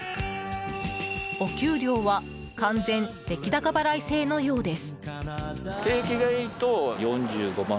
お給料は完全出来高払い制のようです。